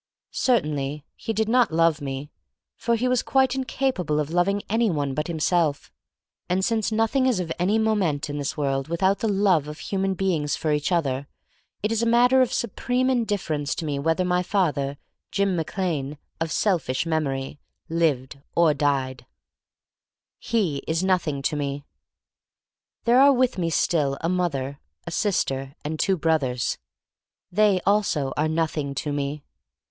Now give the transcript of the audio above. Certainly he did not love me, for he was quite incapable of loving any one but himself. And since nothing is of any moment in this world without the love of human beings for each other, it is a matter of supreme indifference to me whether my father, Jim Mac Lane of selfish memory, lived or died. THE STORY OF MARY MAC LANE 7 He is nothing to me. There are with me still a mother, a sister, and two brothers. They also are nothing to me.